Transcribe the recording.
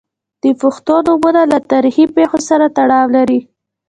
• د پښتو نومونه له تاریخي پیښو سره تړاو لري.